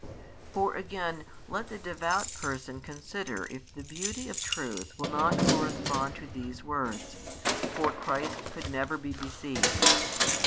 For again let the devout person consider if the beauty of truth will not correspond to these words; for Christ could never be deceived.